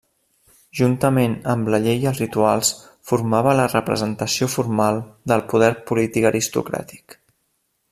Juntament amb la llei i els rituals, formava la representació formal del poder polític aristocràtic.